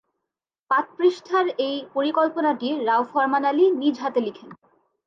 পাঁচ পৃষ্ঠার এই পরিকল্পনাটি রাও ফরমান আলী নিজ হাতে লিখেন।